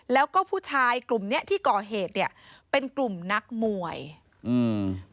แล้วก็ผู้ชายกลุ่มเนี้ยที่ก่อเหตุเนี้ยเป็นกลุ่มนักมวยอืม